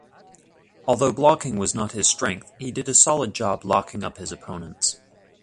Although blocking was not his strength, he did a solid job locking up opponents.